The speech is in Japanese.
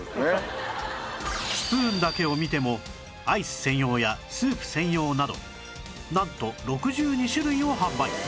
スプーンだけを見てもアイス専用やスープ専用などなんと６２種類を販売